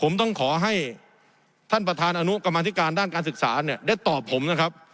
ผมต้องขอให้ท่านประธานอนุกรรมธิการด้านการศึกษาเนี่ยได้ตอบผมนะครับ